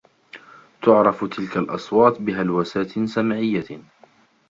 تُعرف تلك الأصوات بهلوسات سمعيّة.